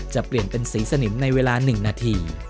จะเปลี่ยนเป็นสีสนิมในเวลา๑นาที